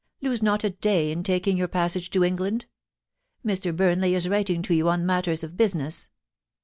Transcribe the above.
Lose not a day in taking your passage to England. Mr. Burnley is writing to you on matters of business.